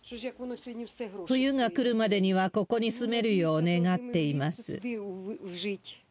冬が来るまでにはここに住めるよう願っています。